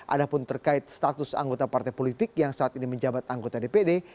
ada pun terkait status anggota partai politik yang saat ini menjabat anggota dpd